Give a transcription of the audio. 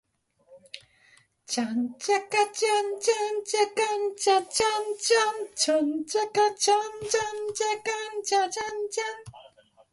美味しい紅茶